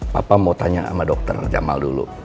papa mau tanya sama dokter jamal dulu